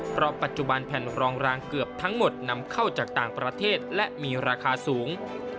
เพราะปัจจุบันแผ่นรองรางเกือบทั้งหมดนำเข้าจากต่างประเทศและมีราคาสูง